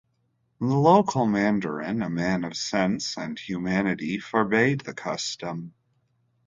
The local mandarin, a man of sense and humanity, forbade the custom.